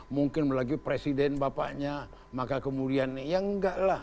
mungkin lagi presiden bapaknya maka kemudian ya enggak lah